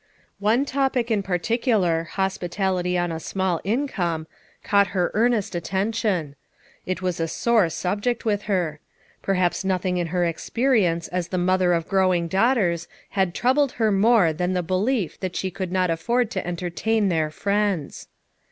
One topic in particular, "Hospitality on a Small Income" caught her earnest attention. It was a sore subject with her. Perhaps noth ing in her experience as the mother of growing daughters had troubled her more than the be lief that she could not afford to entertain their friends.